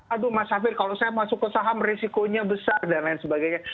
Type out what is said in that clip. aduh mas hafir kalau saya masuk ke saham risikonya besar dan lain sebagainya